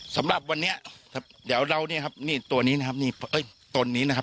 สำหรับวันนี้ครับเดี๋ยวเราเนี่ยครับนี่ตัวนี้นะครับนี่ตนนี้นะครับ